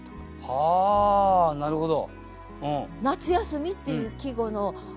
はあなるほど。